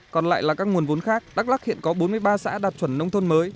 còn lại là các nguồn vốn khác đắk lắc hiện có bốn mươi ba xã đạt chuẩn nông thôn mới